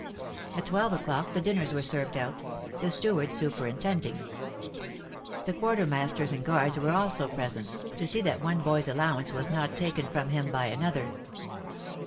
At twelve o'clock the dinners were served out, the steward superintending. The quartermasters and guards were also present, to see that one boy's allowance was not taken from him by another.